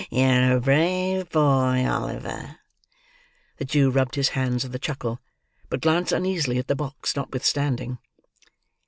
you're a brave boy, Oliver." The Jew rubbed his hands with a chuckle, but glanced uneasily at the box, notwithstanding.